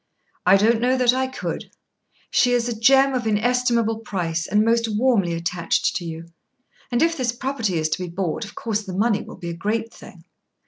"I don't know that I could." "She is a gem of inestimable price, and most warmly attached to you. And if this property is to be bought, of course the money will be a great thing."